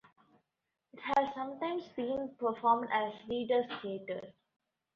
It has sometimes been performed as readers' theatre.